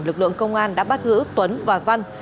lực lượng công an đã bắt giữ tuấn và văn